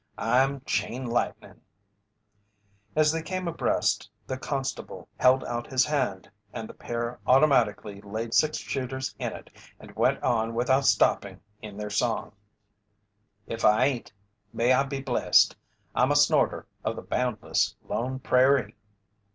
I'm chain lightnin' As they came abreast the constable held out his hand and the pair automatically laid six shooters in it and went on without stopping in their song: if I ain't, may I be blessed. I'm a snorter of the boundless, lone prairee.